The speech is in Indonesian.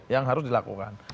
yang harus dilakukan